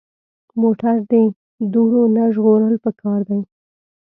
موټر د دوړو نه ژغورل پکار دي.